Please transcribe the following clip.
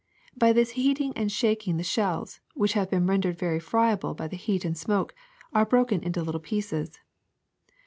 By this heating and shaking the shells, which have been rendered very friable by the heat and smoke, are broken into little pieces.